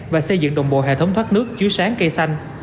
và xây dựng đồng bộ hệ thống thoát nước chiếu sáng cây xanh